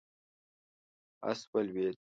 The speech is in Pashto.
آس ولوېد.